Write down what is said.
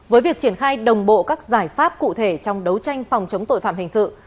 với việc triển khai đồng bộ các giải pháp cụ thể trong đấu tranh phòng chống tội phạm hình sự